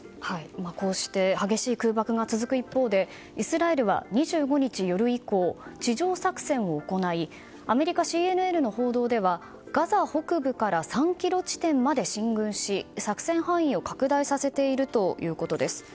こうして激しい空爆が続く一方でイスラエルは２５日夜以降地上作戦を行いアメリカＣＮＮの報道ではガザ北部から３ｋｍ地点まで進軍し作戦範囲を拡大させているということです。